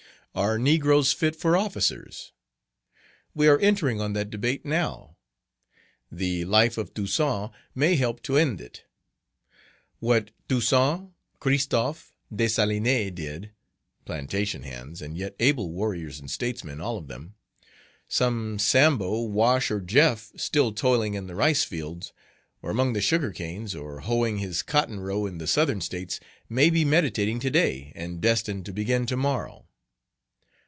"Are Negroes fit for Officers?" We are entering on that debate now. The Life of Toussaint may help to end it. What Toussaint, Christophe, Dessalines did, "plantation hands" and yet able warriors and statesmen, all of them, some Sambo, Wash, or Jeff, still toiling in the rice fields or among the sugar canes, or hoeing his cotton row in the Southern States, may be meditating to day and destined to begin tomorrow.